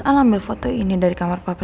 alam ambil foto ini dari kamar papa